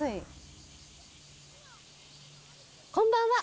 こんばんは。